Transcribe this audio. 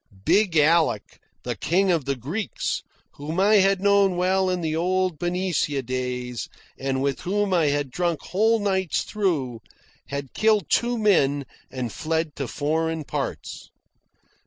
Big Alec, the King of the Greeks, whom I had known well in the old Benicia days, and with whom I had drunk whole nights through, had killed two men and fled to foreign parts.